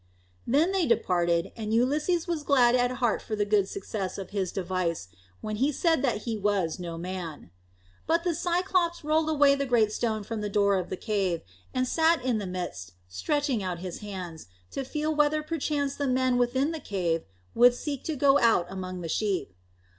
Then they departed; and Ulysses was glad at heart for the good success of his device, when he said that he was No Man. But the Cyclops rolled away the great stone from the door of the cave, and sat in the midst stretching out his hands, to feel whether perchance the men within the cave would seek to go out among the sheep.